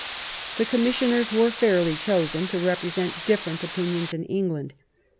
The Commissioners were fairly chosen to represent dif ferent opinions in England.